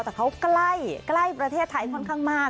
แต่เขาใกล้ประเทศไทยค่อนข้างมาก